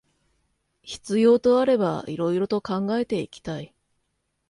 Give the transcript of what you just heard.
必要とあれば色々と考えていきたい